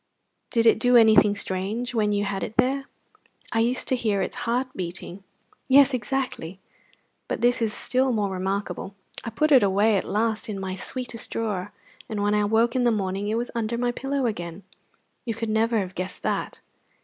Did it do anything strange when you had it there?" "I used to hear its heart beating." "Yes, exactly! But this is still more remarkable. I put it away at last in my sweetest drawer, and when I woke in the morning it was under my pillow again. You could never have guessed that."